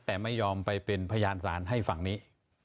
แต่ไม่ยอมไปเป็นพยานศาลให้ฝั่งนี้